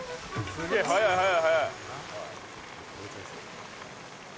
すげぇ、早い早い。